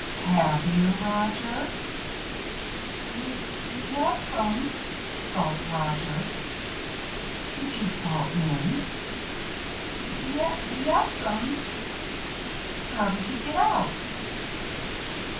"Have you, Roger?" "Ye es'm," gulped Roger. "Did you fall in?" "Ye es'm." "How did you get out?"